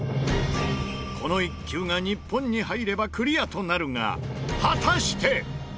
この１球が日本に入ればクリアとなるが果たして。